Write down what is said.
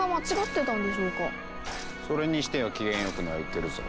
それにしては機嫌よく鳴いてるぞ。